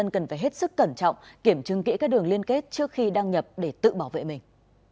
kiểm chứng kỹ các đường liên kết trước khi đăng nhập để tự bảo vệ mình